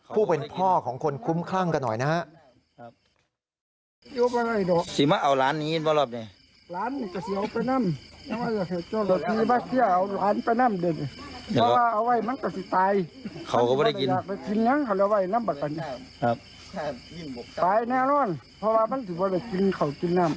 ผู้เป็นพ่อของคนคุ้มคลั่งกันหน่อยนะครับ